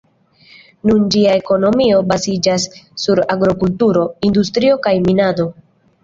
Nun ĝia ekonomio baziĝas sur agrokulturo, industrio kaj minado.